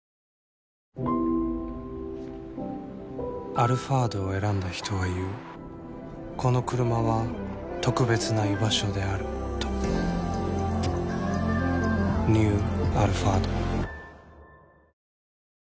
「アルファード」を選んだ人は言うこのクルマは特別な居場所であるとニュー「アルファード」